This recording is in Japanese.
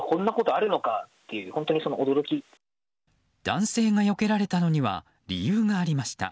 男性がよけられたのには理由がありました。